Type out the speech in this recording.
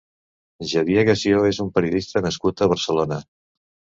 Xavier Gassió és un periodista nascut a Barcelona.